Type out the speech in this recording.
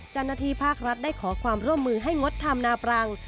จันนทีภาครัฐได้ขอความร่วมมือให้งดทำหน้าปรัง